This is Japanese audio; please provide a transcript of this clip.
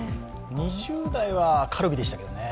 ２０代はカルビでしたけどね。